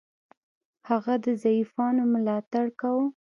هغه د ضعیفانو ملاتړ کاوه.